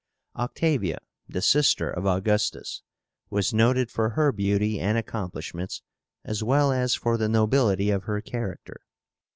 OCTAVIA, the sister of Augustus, was noted for her beauty and accomplishments, as well as for the nobility of her character.